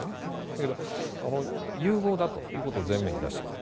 だから、融合だということを前面に出していると。